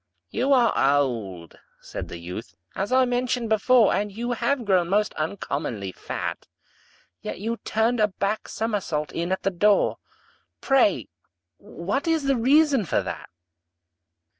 "You are old," said the youth, "as I mentioned before, And you have grown most uncommonly fat; Yet you turned a back somersault in at the door Pray what is the reason for that?"